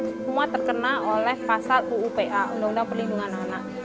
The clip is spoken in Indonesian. semua terkena oleh pasal uupa undang undang perlindungan anak